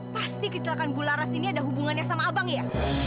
pasti kecelakaan bularas ini ada hubungannya sama abang ya